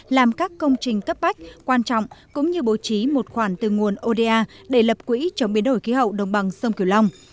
làm các công trình cấp bách quan trọng cũng như bố trí một khoản từ nguồn oda để lập quỹ chống biến đổi khí hậu đồng bằng sông cửu long